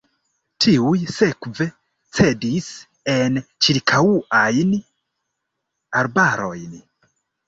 Tiuj sekve cedis en ĉirkaŭajn arbarojn.